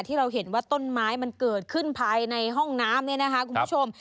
ที่เราเห็นว่าต้นไม้มันเกิดขึ้นภายในห้องน้ำเนี่ยนะคะคุณผู้ชม